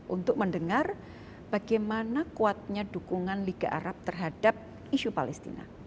untuk mendengar bagaimana kuatnya dukungan liga arab terhadap isu palestina